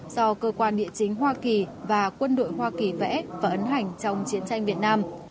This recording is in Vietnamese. do cơ quan địa chính hoa kỳ và quân đội hoa kỳ vẽ và ấn hành trong chiến tranh việt nam